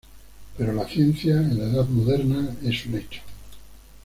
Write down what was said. Pero la ciencia en la Edad Moderna es un hecho.